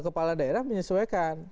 kepala daerah menyesuaikan